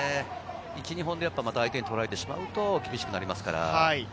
１２本で相手に取られてしまうと厳しくなります。